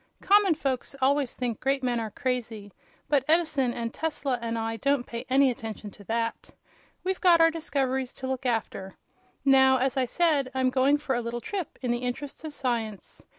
Common folks always think great men are crazy, but Edison and Tesla and I don't pay any attention to that. We've got our discoveries to look after. Now, as I said, I'm going for a little trip in the interests of science.